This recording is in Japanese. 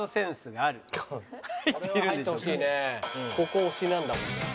ここ押しなんだもんな。